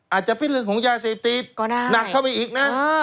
อาจจะเป็นเรื่องของยาเสพติดหนักเข้าไปอีกนะ